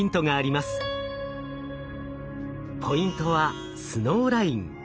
ポイントはスノーライン。